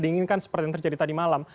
diinginkan seperti yang terjadi tadi malam